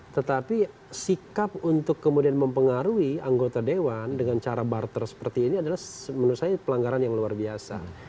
tetapi sikap untuk kemudian mempengaruhi anggota dewan dengan cara barter seperti ini adalah menurut saya pelanggaran yang luar biasa